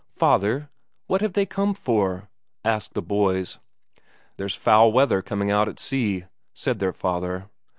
"Father, what have they come for?" asked the boys. "There's foul weather coming out at sea," said their father.